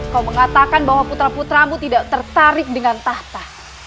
kau mengatakan bahwa putra putramu tidak tertarik dengan tahta